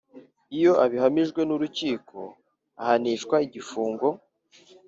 Iyo abihamijwe n urukiko ahanishwa igifungo